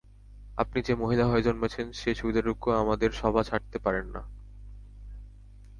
আপনি যে মহিলা হয়ে জন্মেছেন সে সুবিধাটুকু আমাদের সভা ছাড়তে পারেন না।